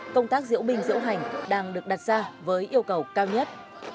công tác diễu binh diễu hành đang được đặt ra với yêu cầu cao nhất